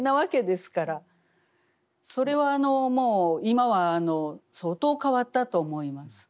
それはもう今は相当変わったと思います。